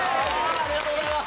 ありがとうございます！